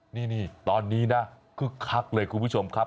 นี่ตอนนี้นะคึกคักเลยคุณผู้ชมครับ